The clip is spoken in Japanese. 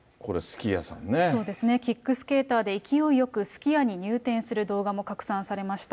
そうですね、キックスケーターで勢いよくすき家に入店する動画も拡散されました。